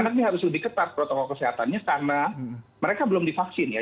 anak ini harus lebih ketat protokol kesehatannya karena mereka belum divaksin ya